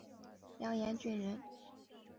杨延俊人。